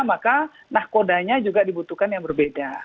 maka nahkodanya juga dibutuhkan yang berbeda